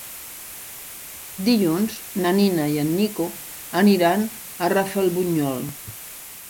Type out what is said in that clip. Dilluns na Nina i en Nico aniran a Rafelbunyol.